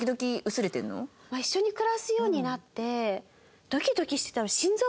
一緒に暮らすようになって。